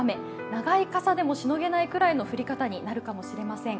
長い傘でもしのげないくらいの降り方になるかもしれません。